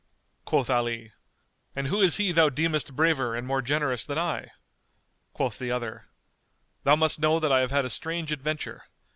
Quoth Ali, "And who is he thou deemest braver and more generous than I?" Quoth the other, "Thou must know that I have had a strange adventure.